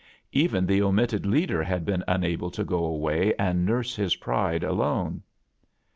Even the omitted leader had been unable to go away and nurse his pride alone.